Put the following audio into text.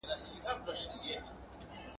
هغه په لومړي سر کې خپل کوچنی قلمرو مستحکم کړ.